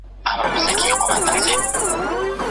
موټر چلونکي په خپلو غوږونو کې د موټر د انجن غږ اورېده.